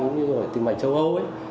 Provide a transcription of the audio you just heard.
cũng như rồi tìm mạch châu âu